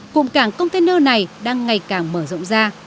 cụm cảng container này đang ngày càng mở rộng ra